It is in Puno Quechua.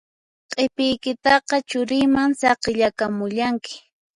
Q'ipiykitaqa churiyman saqiyakamullanki